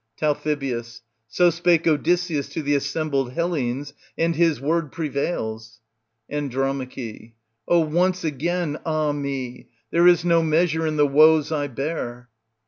Tal. So spake Odysseus to the assembled Hellenes, and his word prevails. And. Oh once again ah me ! there is no measure in the woes I bear.